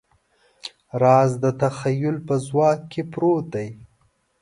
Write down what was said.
راز د تخیل په ځواک کې پروت دی.